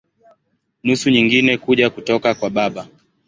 Nusu nyingine kuja kutoka kwa baba.